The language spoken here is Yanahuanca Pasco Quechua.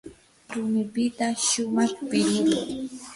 rumipita shumaq piruru.